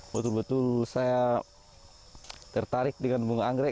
betul betul saya tertarik dengan bunga anggrek